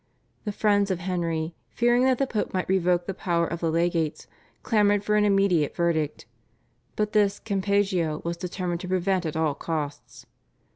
The friends of Henry, fearing that the Pope might revoke the power of the legates, clamoured for an immediate verdict; but this Campeggio was determined to prevent at all costs.